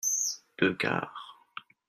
deux gares.